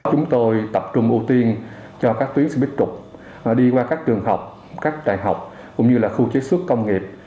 chúng tôi tập trung ưu tiên cho các tuyến xe buýt trục đi qua các trường học các trường học cũng như là khu chế xuất công nghiệp